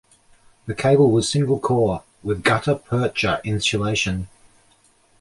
The cable was single-core, with gutta-percha insulation.